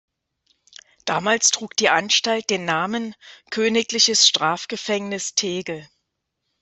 Damals trug die Anstalt den Namen "Königliches Strafgefängnis Tegel".